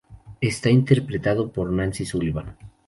Está interpretado por Nancy Sullivan.